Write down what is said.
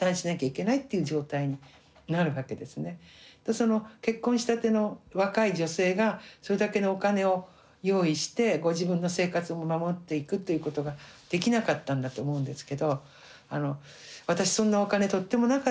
その結婚したての若い女性がそれだけのお金を用意してご自分の生活も守っていくっていうことができなかったんだと思うんですけど。